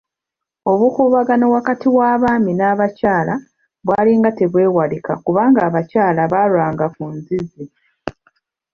Obukuubagano wakati w'abaami n'abakyala bwalinga tebwewalika kubanga abakyala baalwanga ku nzizi.